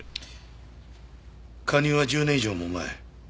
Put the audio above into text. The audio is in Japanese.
加入は１０年以上も前。